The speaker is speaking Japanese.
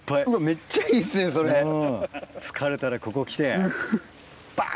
疲れたらここ来て。